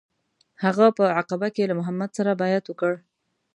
هغه په عقبه کې له محمد سره بیعت وکړ.